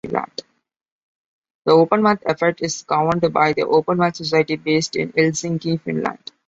The OpenMath Effort is governed by the OpenMath Society, based in Helsinki, Finland.